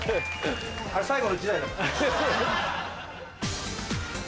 あれ最後の１台だ。